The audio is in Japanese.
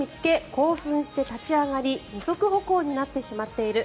興奮して立ち上がり二足歩行になってしまっている。